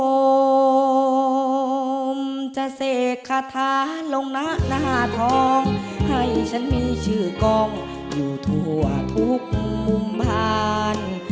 โอมจะเสกคาถาลงหน้าหน้าทองให้ฉันมีชื่อกองอยู่ทั่วทุกมุมผ่าน